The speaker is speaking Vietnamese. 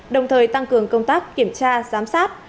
đồng thời tăng cường công tác kiểm tra giám sát